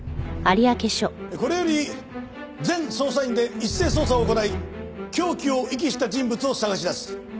これより全捜査員で一斉捜査を行い凶器を遺棄した人物を捜し出す。